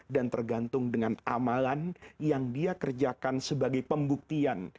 dan tergantung dengan amalan yang dia kerjakan sebagai pembuktian